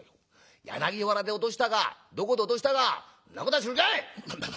柳原で落としたかどこで落としたかんなことは知るかい！」。